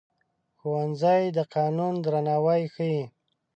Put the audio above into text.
ښوونځی د قانون درناوی ښيي